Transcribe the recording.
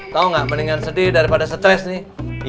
tau gak mendingan sedih daripada stres nih